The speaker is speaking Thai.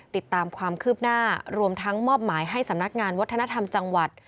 ติดตามความคืบหน้ารวมทั้งมอบหมายให้สำนักงานวัฒนธรรมจังหวัด